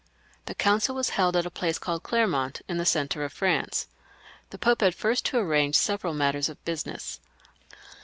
The Council was held at a place called Clennont, in the centre of France. The Pope had first to arrange several matters of business.